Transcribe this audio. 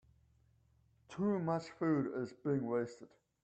Too much food is being wasted.